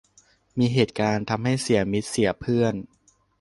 มีเหตุการณ์ทำให้เสียมิตรเสียเพื่อน